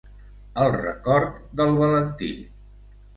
El record del Valentí!